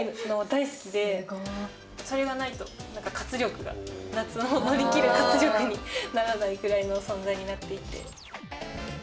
それがないと活力がにならないくらいの存在になっていて。